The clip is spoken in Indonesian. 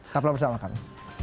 saatlah bersama kami